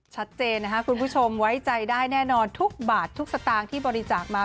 ชัดเจนนะคะคุณผู้ชมไว้ใจได้แน่นอนทุกบาททุกสตางค์ที่บริจาคมา